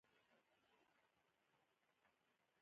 زه خوست ته روان یم.